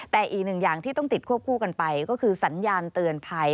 แต่อีกหนึ่งอย่างที่ต้องติดควบคู่กันไปก็คือสัญญาณเตือนภัย